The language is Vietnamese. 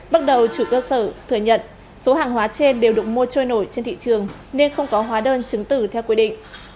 bước đầu chủ cơ sở thừa nhận số hàng hóa trên đều đụng mua trôi nổi trên thị trường nên không có hóa đơn chứng tử theo quy định